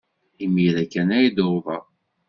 Imir-a kan ay d-uwḍeɣ.